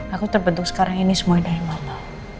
aku terbentuk sekarang ini semua dari mama